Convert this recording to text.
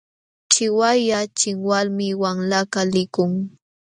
Chiwaylla chinwalmi wamlakaq likun.